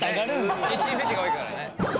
キッチンフェチが多いからね。